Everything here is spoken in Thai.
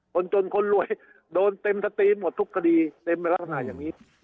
คนจนคนรวยโดนเต็มสตรีมหมดทุกคดีเต็มไปลักษณะอย่างนี้